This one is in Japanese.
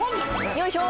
よいしょ！